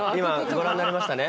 今ご覧になりましたね？